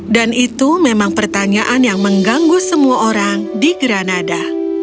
dan itu memang pertanyaan yang mengganggu semua orang di granada